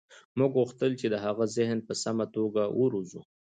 موږ غوښتل چې د هغه ذهن په سمه توګه وروزو